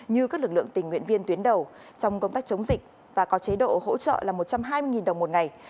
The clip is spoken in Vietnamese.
như các lực lượng tình nguyện viên tuyến đầu trong công tác chống dịch và có chế độ hỗ trợ là một trăm hai mươi đồng một ngày